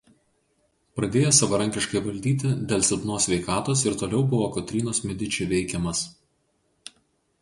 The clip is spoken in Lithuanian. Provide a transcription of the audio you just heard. Pradėjęs savarankiškai valdyti dėl silpnos sveikatos ir toliau buvo Kotrynos Mediči veikiamas.